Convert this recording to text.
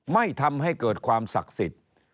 ไม่ทำให้เกิดความศักดิ์สิทธิ์